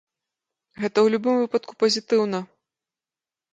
Гэта ў любым выпадку пазітыўна.